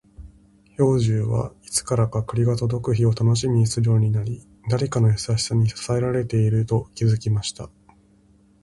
兵十は、いつからか栗が届く日を楽しみにするようになり、誰かの優しさに支えられていると気づきました。